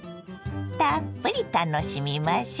たっぷり楽しみましょ。